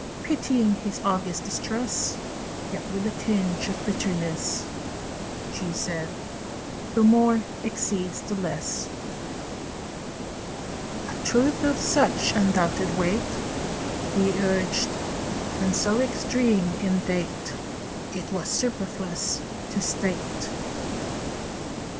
Pitying his obvious distress, Yet with a tinge of bitterness, She said "The More exceeds the Less." "A truth of such undoubted weight," He urged, "and so extreme in date, It were superfluous to state."